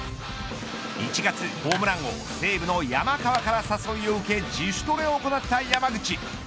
１月ホームラン王西武の山川から誘いを受け自主トレを行った山口。